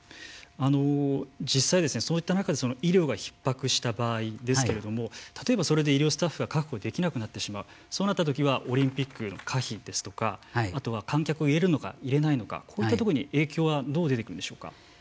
実際そういった中で医療が、ひっ迫した場合ですけれども例えば、それで医療スタッフが確保できなくなってしまうそうなったときにはオリンピックへの可否ですとかあとは観客を入れるのか入れないのかこういったとこに影響はどう出てくるんでしょうか。